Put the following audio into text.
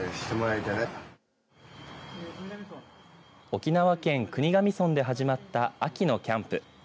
沖縄県国頭村で始まった秋のキャンプ。